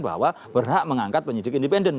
bahwa berhak mengangkat penyidik independen